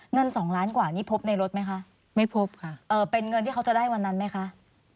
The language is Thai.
เงินสองล้านกว่านี่พบในรถไหมคะไม่พบค่ะเอ่อเป็นเงินที่เขาจะได้วันนั้นไหมคะ